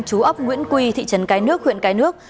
chú ấp nguyễn quy thị trấn cái nước huyện cái nước